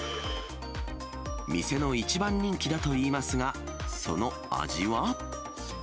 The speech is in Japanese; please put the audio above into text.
店の一番人気だといいますが、その味は？